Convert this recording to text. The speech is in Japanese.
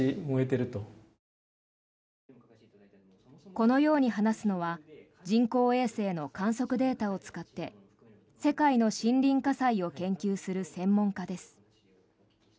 このように話すのは人工衛星の観測データを使って世界の森林火災を研究する専門家です。